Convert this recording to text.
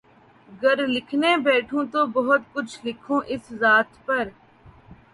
گر لکھنے بیٹھوں تو بہت کچھ لکھوں اس ذات پر